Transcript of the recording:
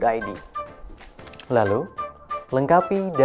dan mencari akun yang berbeda